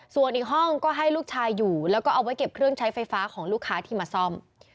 ส่วนอีกห้องก็ให้ลูกชายอยู่แล้วก็เอาไว้เก็บเครื่องใช้ไฟฟ้าของลูกค้าที่มาซ่อม